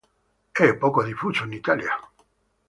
È poco diffuso in Italia.